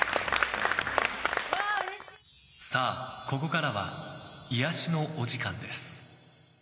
さあ、ここからは癒やしのお時間です。